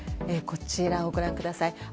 こちらをご覧ください。